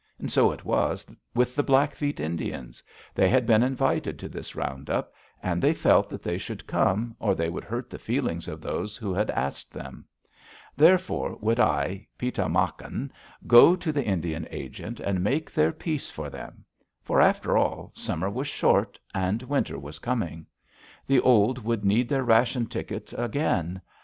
And so it was with the Blackfeet Indians they had been invited to this round up, and they felt that they should come or they would hurt the feelings of those who had asked them. Therefore, would I, Pi ta mak an, go to the Indian agent and make their peace for them? For, after all, summer was short and winter was coming. The old would need their ration tickets again.